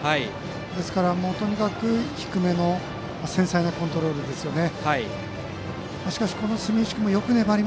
ですから低めの繊細なコントロールですよね。